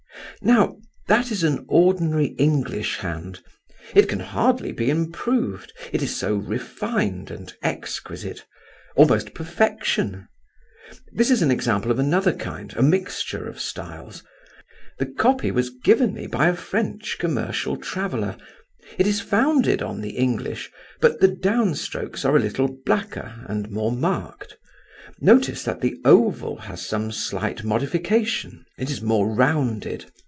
Now that is an ordinary English hand. It can hardly be improved, it is so refined and exquisite—almost perfection. This is an example of another kind, a mixture of styles. The copy was given me by a French commercial traveller. It is founded on the English, but the downstrokes are a little blacker, and more marked. Notice that the oval has some slight modification—it is more rounded.